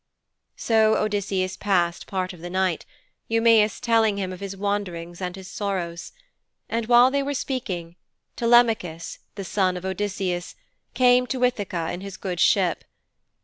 So Odysseus passed part of the night, Eumæus telling him of his wanderings and his sorrows. And while they were speaking, Telemachus, the son of Odysseus, came to Ithaka in his good ship.